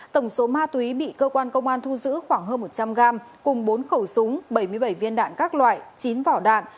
tổng số ma túy bị cơ quan công an thu giữ khoảng hơn một trăm linh gram cùng bốn khẩu súng bảy mươi bảy viên đạn các loại chín vỏ đạn